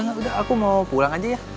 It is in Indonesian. udah aku mau pulang aja ya